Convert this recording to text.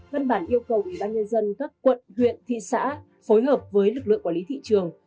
văn bản yêu cầu ủy ban nhân dân các quận huyện thị xã phối hợp với lực lượng quản lý thị trường